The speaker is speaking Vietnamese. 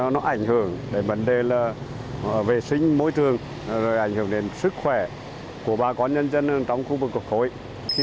nó ảnh hưởng đến vấn đề là vệ sinh môi trường rồi ảnh hưởng đến sức khỏe của bà con nhân dân trong khu vực cục khối